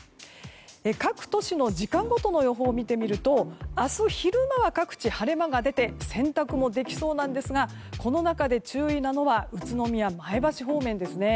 各都市の時間ごとの予報を見てみると明日昼間は各地、晴れ間が出て洗濯もできそうなんですがこの中で注意なのが宇都宮、前橋方面ですね。